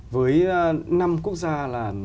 với năm quốc gia là